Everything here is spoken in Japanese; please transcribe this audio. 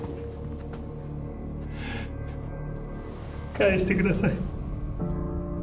返してください